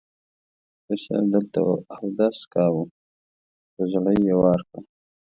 پیر صاحب دلته اودس کاوه، کوزړۍ یې وار کړه.